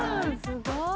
すごい！